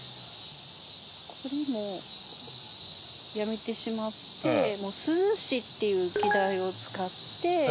これもやめてしまって「涼し」っていう季題を使って。